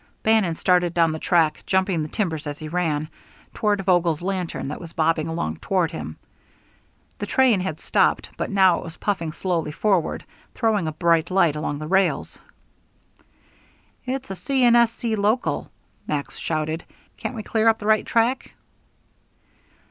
Bannon started down the track, jumping the timbers as he ran, toward Vogel's lantern, that was bobbing along toward him. The train had stopped, but now it was puffing slowly forward, throwing a bright light along the rails. "It's a C. & S. C. local," Max shouted. "Can't we clear up the right track?"